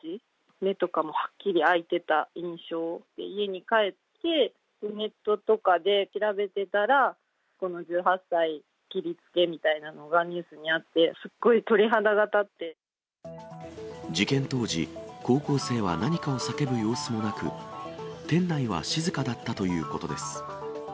目とかもはっきり開いてた印象で、家に帰って、ネットとかで調べてたら、この１８歳切りつけみたいなのがニュースにあって、事件当時、高校生は何かを叫ぶ様子もなく、店内は静かだったということです。